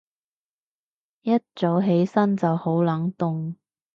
一早起身就好冷凍